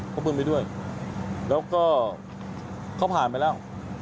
ปืนไปด้วยแล้วก็เขาผ่านไปแล้ว